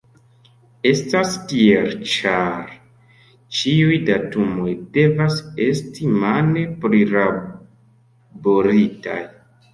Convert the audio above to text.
Estas tiel, ĉar ĉiuj datumoj devas esti mane prilaboritaj.